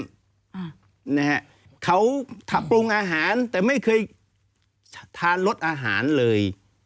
อ่านะฮะเขาปรุงอาหารแต่ไม่เคยทานรสอาหารเลย